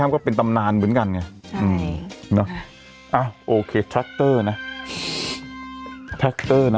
ก็เป็นตำนานเหมือนกันไงใช่เนอะอ่ะโอเคนะ